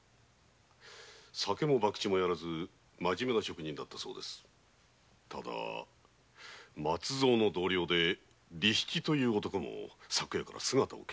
酒もバクチもやらずマジメな職人だったそうですが松造の同僚で利七という男も昨夜から姿を消しております。